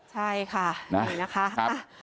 ใช่ค่ะอย่างนี้นะคะ